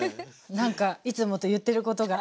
なんかいつもと言ってることが。